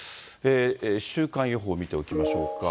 週間予報見ておきましょうか。